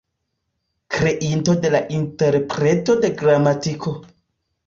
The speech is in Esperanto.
Kreinto de "La Interpreto de Gramatiko".